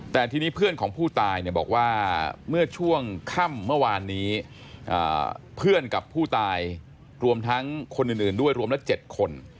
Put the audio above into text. แต่ทีนี้เพื่อนของผู้ตายบอกว่าเมื่อช่วงค่ำเมื่อวานนี้เพื่อนกับผู้ตายรวมทั้งคนอื่นด้วยรวมละ๗คน